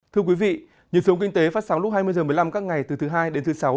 thưa quý vị nhật sống kinh tế phát sóng lúc hai mươi h một mươi năm các ngày từ thứ hai đến thứ sáu